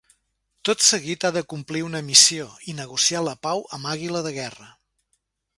Tot seguit ha de complir una missió i negociar la pau amb Àguila de Guerra.